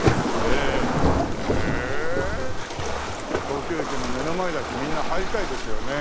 東京駅の目の前だしみんな入りたいですよね。